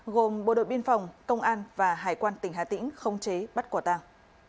gồm bộ đội biên phòng công an và hải quan tỉnh hà tĩnh không chế bắt quả tàng